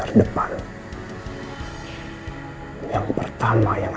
ada yang bisa sempat